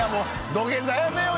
土下座やめよう。